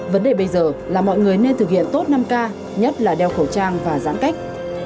vấn đề bây giờ là mọi người nên thực hiện tốt năm k nhất là đeo khẩu trang và giãn cách